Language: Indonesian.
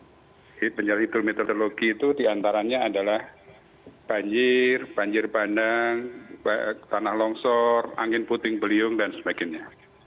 jadi bencana hidrometeorologi itu diantaranya adalah banjir banjir bandang tanah longsor angin puting beliung dan sebagainya